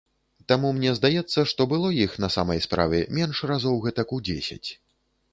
Таму мне здаецца, што было іх на самай справе менш разоў гэтак у дзесяць.